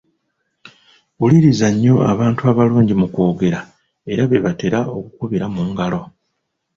Wuliriza nnyo abantu abalungi mu kwogera era be batera okukubira mu ngalo.